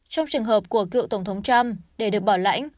trong trường hợp của cựu tổng thống trump để được bảo lãnh